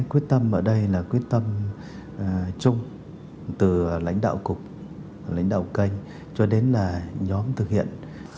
quyết tâm ở đây là quyết tâm chung từ lãnh đạo cục lãnh đạo kênh cho đến là nhóm thực hiện